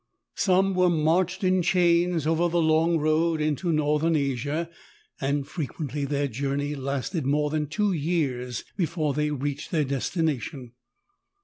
Some were marched in chains over the long road into Northern Asia, and frec|uently their journey lasted more than two years before they reached their destination.